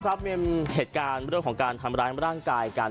ครับมีเหตุการณ์เรื่องของการทำร้ายร่างกายกัน